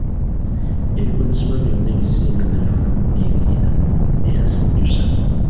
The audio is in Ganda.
Ebikozesebwa byonna ebisinga nnabifuna mu Niigiina, era ssejjusa.’’